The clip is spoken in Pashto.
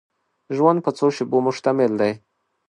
ژوند په څو شېبو مشتمل دی.